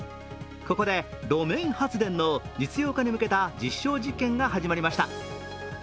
ここで路面発電の実用化に向けた実証実験が始まりました。